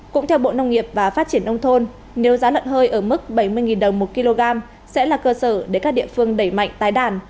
cũng theo bộ nông nghiệp và phát triển nông thôn nếu giá lợn hơi ở mức bảy mươi đồng một kg sẽ là cơ sở để các địa phương đẩy mạnh tái đàn